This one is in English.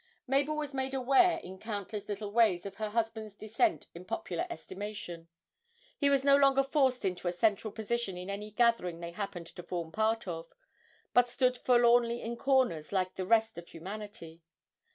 Mabel was made aware in countless little ways of her husband's descent in popular estimation; he was no longer forced into a central position in any gathering they happened to form part of, but stood forlornly in corners, like the rest of humanity.